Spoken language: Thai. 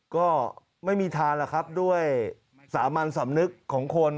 ก็ไม่มีทานหรอกครับด้วยสามัญสำนึกของคน